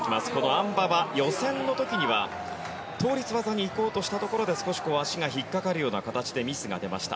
あん馬は予選の時には倒立技にいこうとしたところで少し足が引っかかるような形でミスが出ました。